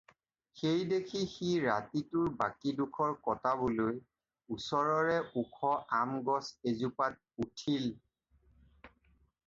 সেইদেখি সি ৰাতিটোৰ বাকীডোখৰ কটাবলৈ ওচৰৰে ওখ আম গছ এজোপাত উঠিল।